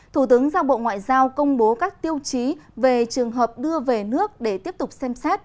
thủ tướng giao bộ ngoại giao công bố các tiêu chí về trường hợp đưa về nước để tiếp tục xem xét